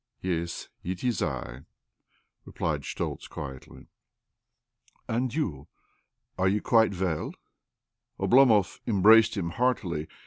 " .Yes, it is I," replied Schtoltz quietly " And you— are you quite well? " Oblomov embraced him heartily.